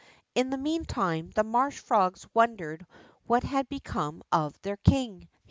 In the meantime the marsh frogs wondered what had become of their king.